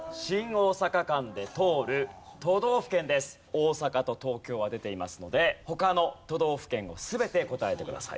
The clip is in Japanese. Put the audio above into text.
大阪と東京は出ていますので他の都道府県を全て答えてください。